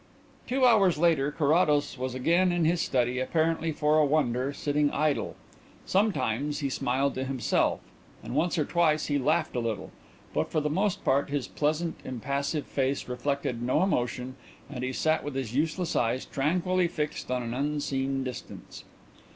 Two hours later Carrados was again in his study, apparently, for a wonder, sitting idle. Sometimes he smiled to himself, and once or twice he laughed a little, but for the most part his pleasant, impassive face reflected no emotion and he sat with his useless eyes tranquilly fixed on an unseen distance.